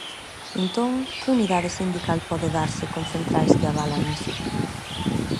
Entón, que unidade sindical pode darse con centrais que avalan iso?